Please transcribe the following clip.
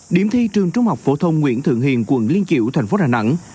điểm thi trường trung học phổ thông nguyễn thượng hiền quận liên kiểu tp đà nẵng